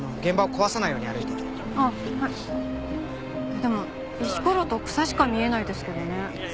でも石ころと草しか見えないですけどね。